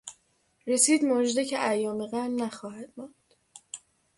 رسید مژده که ایام غم نخواهد ماند